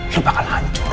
lu bakal hancur